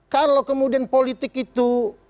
kalau kemudian politik itu